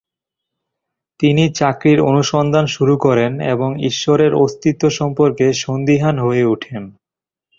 তিনি চাকরির অনুসন্ধান শুরু করেন এবং ঈশ্বরের অস্তিত্ব সম্পর্কে সন্দিহান হয়ে ওঠেন।